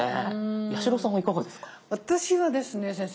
私ですね先生